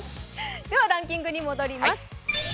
では、ランキングに戻ります。